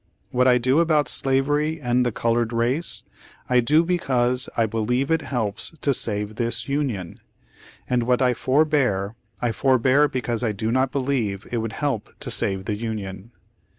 "What I do about Slaveiy and the Colored Race, I do because I believe it helps to save this Union; and what I forbear, I forbear because I do not believe it would help to save the Union.